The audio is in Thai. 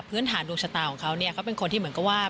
ฐานดวงชะตาของเขาเนี่ยเขาเป็นคนที่เหมือนกับว่า